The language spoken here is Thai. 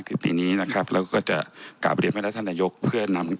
ปีนี้นะครับแล้วก็จะกลับเรียนไปแล้วท่านนายกเพื่อนำ